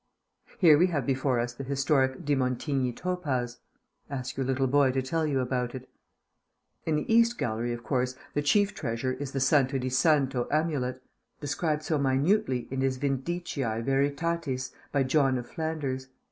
Here we have before us the historic de Montigny topaz. Ask your little boy to tell you about it. In the East Gallery, of course, the chief treasure is the Santo di Santo amulet, described so minutely in his Vindiciæ Veritatis by John of Flanders.